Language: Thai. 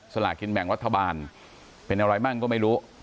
ลากินแบ่งรัฐบาลเป็นอะไรมั่งก็ไม่รู้